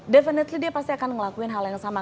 definitely dia pasti akan ngelakuin hal yang sama